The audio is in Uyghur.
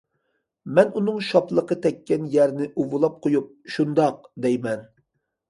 مەن ئۇنىڭ شاپىلىقى تەگكەن يەرنى ئۇۋىلاپ قويۇپ:« شۇنداق.....» دەيمەن.